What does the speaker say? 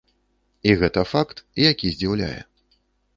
І гэта факт, які здзіўляе.